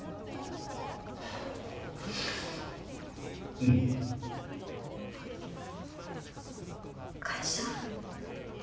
うん。会社。